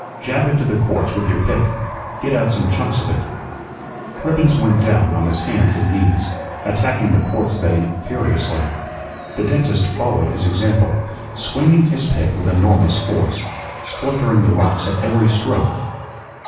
Jab into the quartz with your pick; git out some chunks of it." Cribbens went down on his hands and knees, attacking the quartz vein furiously. The dentist followed his example, swinging his pick with enormous force, splintering the rocks at every stroke.